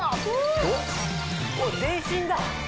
おっ全身だ！